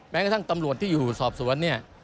แม้กระทั่งตำรวจที่อยู่สอบสวน